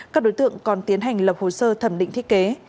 các đối tượng còn tiến hành lập hồ sơ thẩm định thiết kế